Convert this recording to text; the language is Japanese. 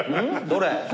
どれ？